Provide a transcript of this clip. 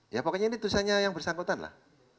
ya pokoknya ini tulisannya yang bersangkutan lah